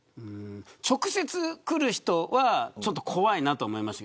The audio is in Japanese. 直接来る人はちょっと怖いなと思います。